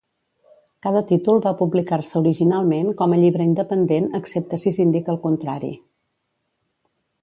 Cada títol va publicar-se originalment com a llibre independent excepte si s'indica el contrari.